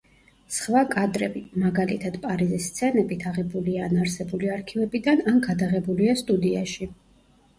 სხვა კადრები, მაგალითად, პარიზის სცენებით, აღებულია ან არსებული არქივებიდან, ან გადაღებულია სტუდიაში.